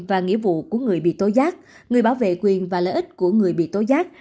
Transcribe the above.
và nghĩa vụ của người bị tố giác người bảo vệ quyền và lợi ích của người bị tố giác